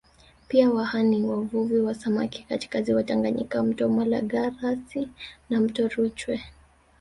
Pia Waha ni wavuvi wa samaki katika ziwa Tanganyika mto Malagarasi na Mto Rwiche